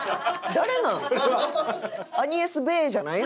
誰なん？